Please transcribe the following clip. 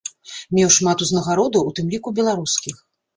Меў шмат узнагародаў, у тым ліку беларускіх.